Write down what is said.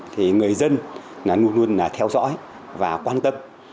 thì người dân luôn luôn theo dõi và quan tâm